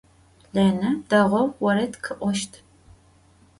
Lêne değou vored khı'oşt.